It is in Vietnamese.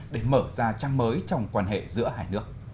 để mở ra trang mới trong quan hệ giữa hai nước